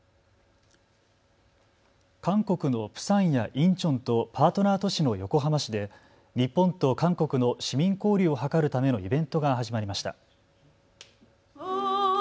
韓国のプサンやインチョンとパートナー都市の横浜市で日本と韓国の市民交流を図るためのイベントが始まりました。